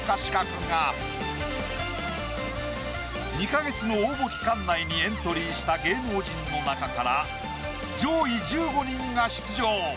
２か月の応募期間内にエントリーした芸能人の中から上位１５人が出場。